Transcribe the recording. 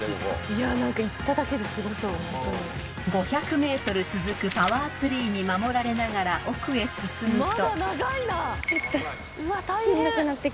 ［５００ｍ続くパワーツリーに守られながら奥へ進むと］